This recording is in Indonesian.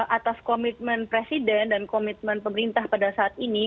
atas komitmen presiden dan komitmen pemerintah pada saat ini